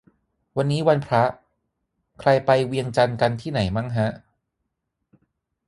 วันนี้วันพระ ใครไปเวียงจันทร์กันที่ไหนมั่งฮะ